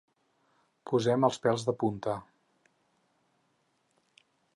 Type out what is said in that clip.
Posem els pèls de punta.